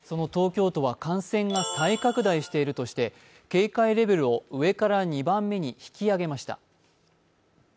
その東京都は感染が再拡大しているとして警戒レベルを上から２番目に引き上げました。